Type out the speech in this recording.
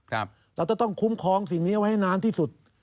เราจะต้องคุ้มครองสิ่งนี้เอาไว้ให้นานที่สุด